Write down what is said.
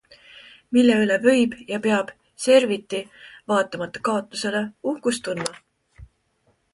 Mille üle võib ja peab Serviti vaatamata kaotusele uhkust tundma?